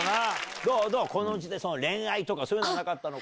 どう、この時代、恋愛とか、そういうのはなかったのか。